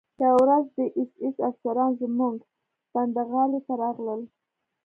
یوه ورځ د اېس ایس افسران زموږ پنډغالي ته راغلل